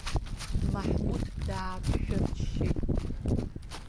Маҳмуҭ дааԥышәырччеит.